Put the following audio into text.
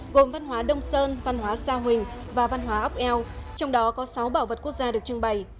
gồm văn hóa đông sơn văn hóa sa huỳnh và văn hóa ốc eo trong đó có sáu bảo vật quốc gia được trưng bày